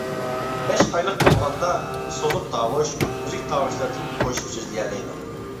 بەش ئايلىق بولغاندا، سوزۇق تاۋۇش، ئۈزۈك تاۋۇشلاردىن قوشۇپ سۆزلىيەلەيدۇ.